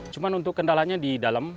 cuma untuk kendalanya di dalam